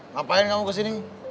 ngapain kamu kesini